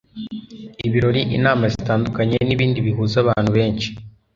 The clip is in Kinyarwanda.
ibirori, inama zitandukanye n'ibindi bihuza abantu benshi